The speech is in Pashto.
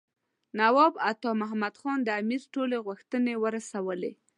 نواب عطا محمد خان د امیر ټولې غوښتنې ورسولې.